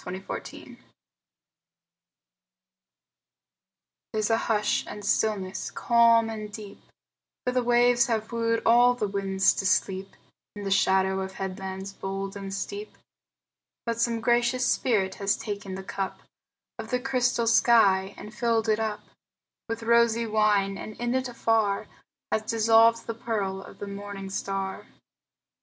8 Autoplay There's a hush and stillness calm and deep, For the waves have wooed all the winds to sleep In the shadow of headlands bold and steep; But some gracious spirit has taken the cup Of the crystal sky and filled it up With rosy wine, and in it afar Has dissolved the pearl of the morning star.